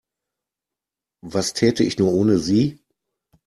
Was täte ich nur ohne Sie?